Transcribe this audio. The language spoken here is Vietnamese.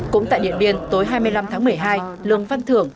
cũng tại điện biên tối hai mươi năm tháng một mươi hai lương văn thưởng